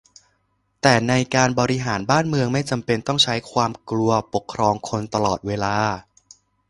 แต่ในการบริหารบ้านเมืองไม่จำเป็นใช้ความกลัวปกครองคนตลอดเวลา